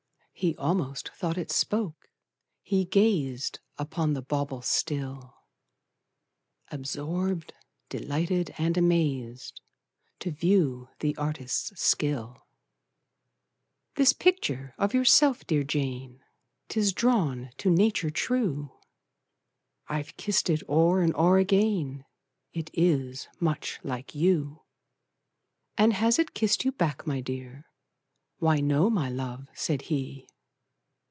He almost thought it spoke: he gazed Upon the bauble still, Absorbed, delighted, and amazed, To view the artist's skill. "This picture is yourself, dear Jane 'Tis drawn to nature true: I've kissed it o'er and o'er again, It is much like you." "And has it kissed you back, my dear?" "Why no my love," said he.